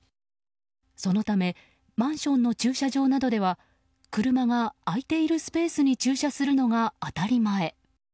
そのためマンションの駐車場などでは車が空いているスペースに駐車するのが当たり前。